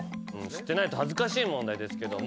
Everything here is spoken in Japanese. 知ってないと恥ずかしい問題です。